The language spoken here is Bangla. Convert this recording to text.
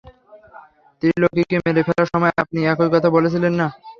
ত্রিলোকিকে মেরে ফেলার সময় আপনি এই কথাই বলেছিলেন না?